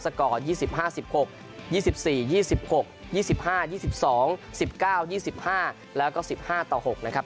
กอร์๒๕๑๖๒๔๒๖๒๕๒๒๑๙๒๕แล้วก็๑๕ต่อ๖นะครับ